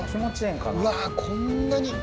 うわこんなに。